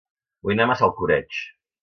Vull anar a Massalcoreig